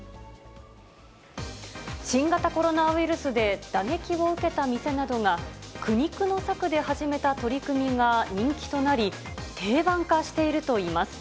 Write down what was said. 新型コロナウイルスで打撃を受けた店などが、苦肉の策で始めた取り組みが人気となり、定番化しているといいます。